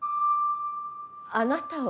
あなたは？